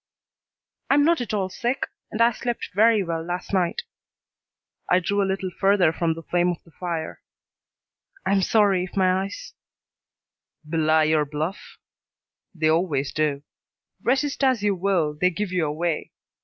"I am not at all sick, and I slept very well last night." I drew a little further from the flame of the fire. "I'm sorry if my eyes " "Belie your bluff? They always do. Resist as you will, they give you away.